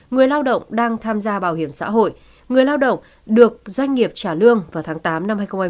người lao động đang tham gia bảo hiểm xã hội người lao động được doanh nghiệp trả lương vào tháng tám năm hai nghìn hai mươi